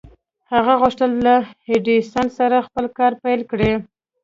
هغه غوښتل له ايډېسن سره خپل کار پيل کړي.